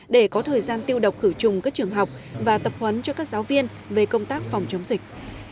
để có thời gian tiêu độc khử trùng các trường học và tập huấn cho các giáo viên về công tác phòng chống dịch